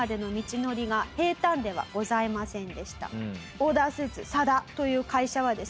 オーダースーツＳＡＤＡという会社はですね